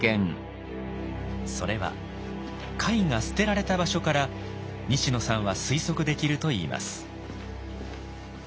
それは貝が捨てられた場所から西野さんは推測できると言います。